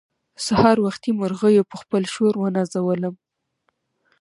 سهار وختي مرغيو په خپل شور ونازولم.